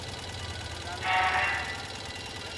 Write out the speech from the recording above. اقتصادي پرمختيا پراخه او دوامداره پروسه ګڼل کيږي.